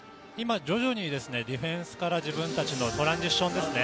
徐々にディフェンスから自分たちのトランジションですね。